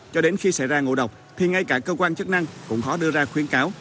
cho đến khi xảy ra ngộ độc thì ngay cả cơ quan chức năng cũng khó đưa ra khuyến cáo